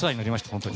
本当に。